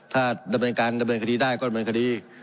ถ้าดำเนินการดำเนินคดีได้ก็ดำเนินคดี